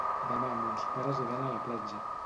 Demà mons pares iran a la platja.